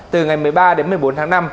từ ngày một mươi ba đến một mươi bốn tháng năm